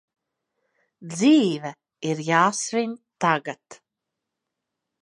Dzīve ir jāsvin tagad!